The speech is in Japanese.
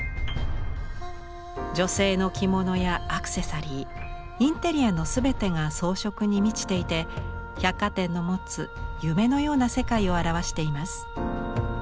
女性の着物やアクセサリーインテリアの全てが装飾に満ちていて百貨店の持つ夢のような世界を表しています。